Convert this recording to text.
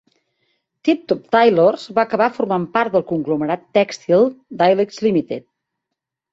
Tip Top Tailors va acabar formant part del conglomerat tèxtil Dylex Limited.